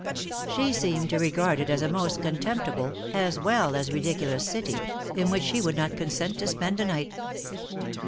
She seemed to regard it as a most contemptible, as well as ridiculous city, in which she would not consent to spend a night.